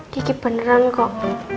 kiki beneran kok